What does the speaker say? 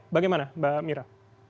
bagaimana mbak mira